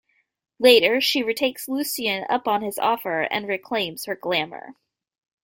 Later she retakes Lucien up on his offer and reclaims her Glamour.